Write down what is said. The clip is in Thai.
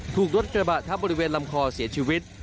ถูกรถกระบะทับบริเวณลำคอเสียชีวิต